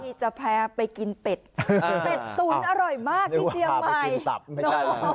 พี่จะแพ้ไปกินเป็ดเป็ดตุ๋นอร่อยมากที่เจียงใหม่ไม่ใช่เลย